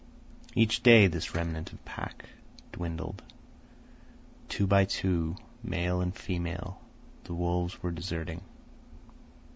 Each day this remnant of the pack dwindled. Two by two, male and female, the wolves were deserting.